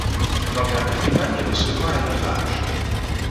Morgan Freeman y recevra un hommage.